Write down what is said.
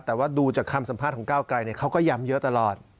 แต่ว่าดูจากคำสัมภาษณ์ของก้าวไกลเขาก็ย้ำเยอะตลอด